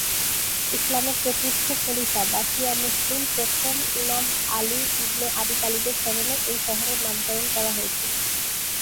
ইসলামের চতুর্থ খলিফা বা শিয়া মুসলিম প্রথম ইমাম আলী ইবনে আবি তালিবের স্মরণে এই শহরের নামকরণ করা হয়েছিল।